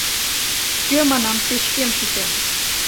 — Кӧ, манам, печкем шӱтен?